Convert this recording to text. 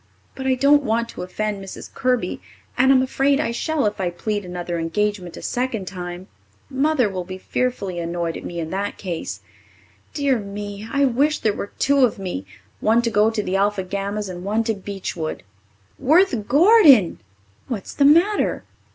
But I don't want to offend Mrs. Kirby, and I'm afraid I shall if I plead another engagement a second time. Mother will be fearfully annoyed at me in that case. Dear me, I wish there were two of me, one to go to the Alpha Gammas and one to Beechwood Worth Gordon!" "What's the matter?"